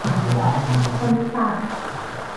อันนี้ตาม